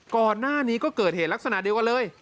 ก่อนหน้านี้ก็เกิดเหตุลักษณะเดียวกันเลย